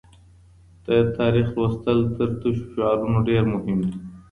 د تاریخ لوستل تر تشو شعارونو ډېر مهم دي.